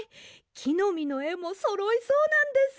きのみのえもそろいそうなんです。